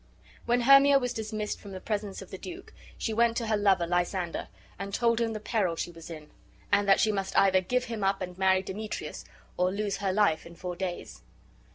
When Hermia was dismissed from the presence of the duke, she went to her lover Lysander and told him the peril she was in, and that she must either give him up and marry Demetrius or lose her life in four days.